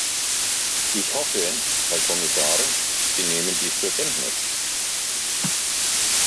Ich hoffe, Herr Kommissar, Sie nehmen dies zur Kenntnis.